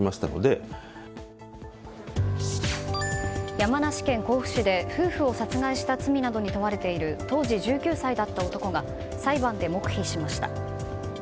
山梨県甲府市で夫婦を殺害した罪などに問われている当時１９歳だった男が裁判で黙秘しました。